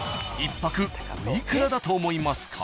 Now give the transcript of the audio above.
１泊お幾らだと思いますか？］